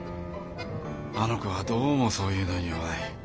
あの子はどうもそういうのに弱い。